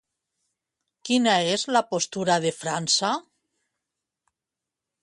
Quina és la postura de França?